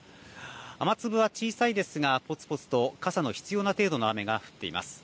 雨粒は小さいですがぽつぽつと傘の必要な程度の雨が降っています。